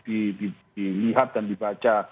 ee dilihat dan dibaca